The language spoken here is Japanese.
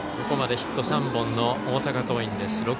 ここまでヒット３本の大阪桐蔭です。